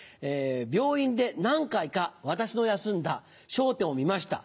病院で何回か私の休んだ『笑点』を見ました。